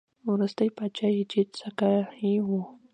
وروستی پاچا یې جیډ سکای و